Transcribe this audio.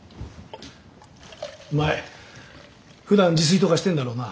お前ふだん自炊とかしてんだろうな。